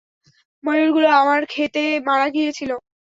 ময়ূরগুলো আমার ক্ষেতে মারা গিয়েছিল।